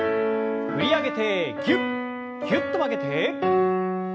振り上げてぎゅっぎゅっと曲げて。